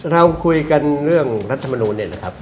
เราคุยกันเรื่องรัฐมนูลเนี่ยนะครับ